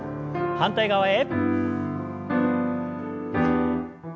反対側へ。